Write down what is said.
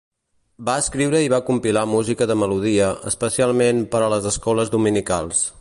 Va escriure i va compilar música de melodia, especialment per a les escoles dominicals.